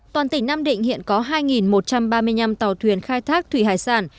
toàn tỉnh nam định hiện có hai một trăm ba mươi năm tàu thuyền khai thác thủy hải sản